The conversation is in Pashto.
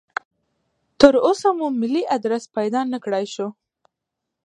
تراوسه مو ملي ادرس پیدا نکړای شو.